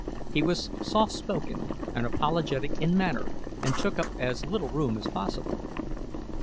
He was soft spoken and apologetic in manner and took up as little room as possible.